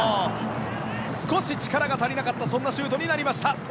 少し力が足りなかったそんなシュートになりました。